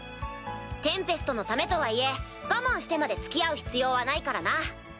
テンペストのためとはいえ我慢してまで付き合う必要はないからな。